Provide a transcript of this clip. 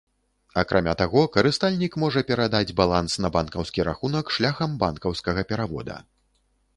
Акрамя таго, карыстальнік можа перадаць баланс на банкаўскі рахунак шляхам банкаўскага перавода.